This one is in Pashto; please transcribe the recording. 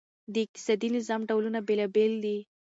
د اقتصادي نظام ډولونه بېلابیل دي.